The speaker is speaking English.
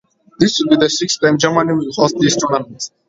This will be the sixth time Germany will host this tournament.